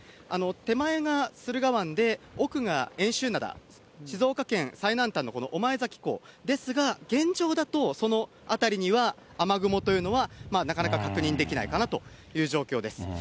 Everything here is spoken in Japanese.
手前が駿河湾で、奥が遠州灘、静岡県最南端の御前崎港、ですが、現状だと、その辺りには雨雲というのは、なかなか確認できないかなという状況です。